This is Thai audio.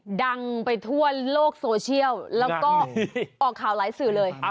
ดังไปทั่วโลกโซเชียลแล้วก็ออกข่าวหลายสื่อเลย